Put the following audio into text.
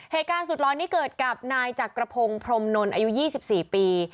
เหตุการณ์สุดร้อนนี้เกิดกับนายจักรพงศ์พรมนนท์อายุ๒๔ปี